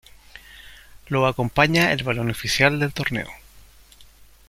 Lo acompaña el balón oficial del torneo.